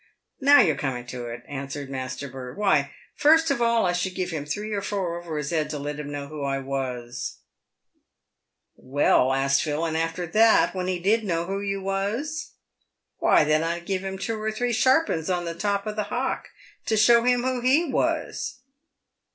" Now you're coming to it," answered Master Burt. " Why, first of all I should give him three or four over his 'ead to let him know who I was." 142 PAVED WITH GOLD. ""Well," asked Phil, " and after that, when he did know who you was ?» ""Why, then I'd give him two or three sharp 'uns on the top o' the hock to show him who Tie was."